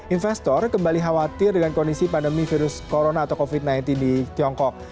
investor kembali khawatir dengan kondisi pandemi virus corona atau covid sembilan belas di tiongkok